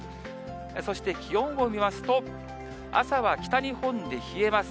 そして気温を見ますと、朝は北日本で冷えます。